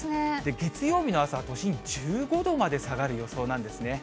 月曜日の朝は、都心１５度まで下がる予想なんですね。